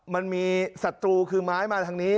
มันมีศัตรูคือไม้มาทางนี้